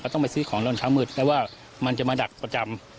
ต้องไปซื้อของตอนเช้ามืดไม่ว่ามันจะมาดักประจำ